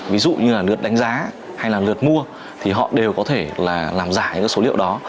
ví dụ như là lướt đánh giá hay là lượt mua thì họ đều có thể là làm giả những số liệu đó